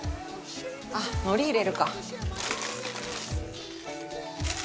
あっ海苔入れるか。